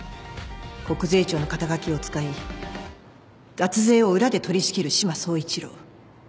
国税庁の肩書を使い脱税を裏で取り仕切る志摩総一郎